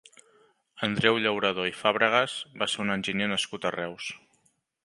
Andreu Llauradó i Fàbregas va ser un enginyer nascut a Reus.